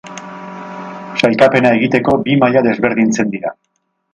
Sailkapena egiteko bi maila desberdintzen dira.